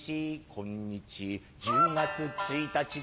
今日１０月１日でハッ！